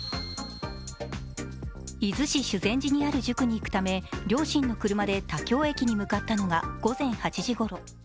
伊豆市修善寺にある塾に行くため両親の来るまで田京駅に向かったのが午前８時ごろ。